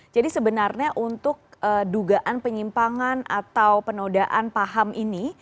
jadi sebenarnya untuk dugaan penyimpangan atau penodaan paham ini